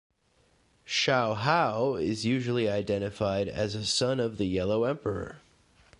Shaohao is usually identified as a son of the Yellow Emperor.